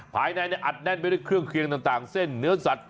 ภายในอัดแน่นไปด้วยเครื่องเคียงต่างเส้นเนื้อสัตว